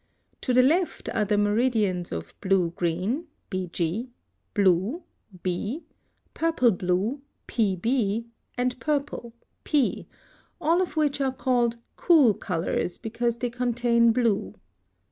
To the left are the meridians of blue green (BG), blue (B), purple blue (PB), and purple (P), all of which are called cool colors, because they contain blue.